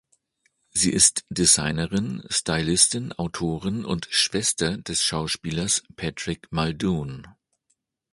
Sie ist Designerin, Stylistin, Autorin und Schwester des Schauspielers Patrick Muldoon.